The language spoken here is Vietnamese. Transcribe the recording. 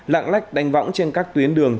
lặng lách đánh võng trên các tuyến đường